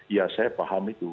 ya saya paham itu